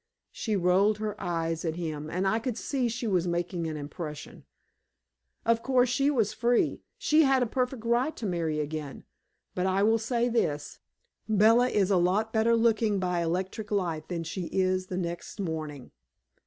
She rolled her eyes at him, and I could see she was making an impression. Of course she was free. She had a perfect right to marry again, but I will say this: Bella is a lot better looking by electric light than she is the next morning.